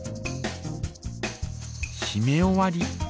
しめ終わり。